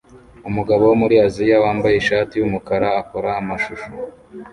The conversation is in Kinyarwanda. Umugabo wo muri Aziya wambaye ishati yumukara akora amashusho